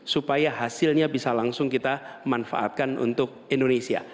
supaya hasilnya bisa langsung kita manfaatkan untuk indonesia